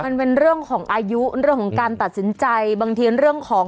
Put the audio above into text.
มันเป็นเรื่องของอายุเรื่องของการตัดสินใจบางทีเรื่องของ